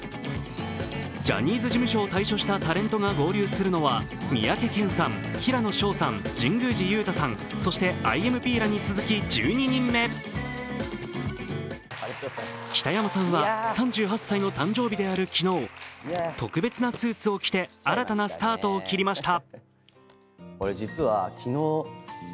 ジャニーズ事務所を退所したタレントが合流するのは三宅健さん、平野紫耀さん、神宮寺勇太さんそしてＩＭＰ．らに続き１２人目、北山さんは３８歳の誕生日である昨日、特別なスーツを着て新たなスタートを切りました。